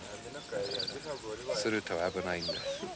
すると危ないんです。